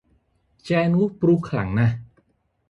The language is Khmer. ឆ្កែនោះព្រុសខ្លាំងណាស់!